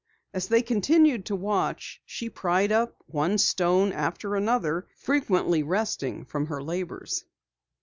As they continued to watch, she pried up one stone after another, frequently resting from her labors.